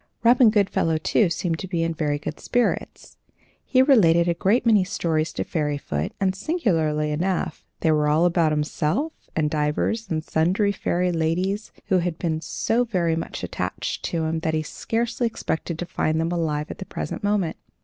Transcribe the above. Robin Goodfellow, too, seemed to be in very good spirits. He related a great many stories to Fairyfoot, and, singularly enough, they were all about himself and divers and sundry fairy ladies who had been so very much attached to him that he scarcely expected to find them alive at the present moment.